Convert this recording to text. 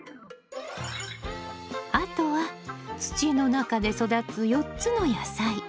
あとは土の中で育つ４つの野菜。